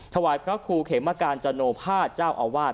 ถวายพระครูเขมการจโนภาษเจ้าอาวาส